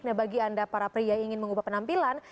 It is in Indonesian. nah bagi anda para pria yang ingin mengubah penampilan